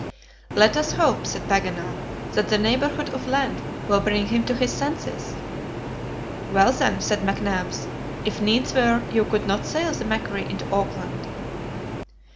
"Let us hope," said Paganel, "that the neighborhood of land will bring him to his senses." "Well, then," said McNabbs, "if needs were, you could not sail the MACQUARIE into Auckland?"